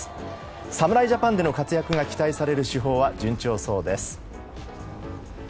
侍ジャパンでの活躍が期待される主砲は順調そうです。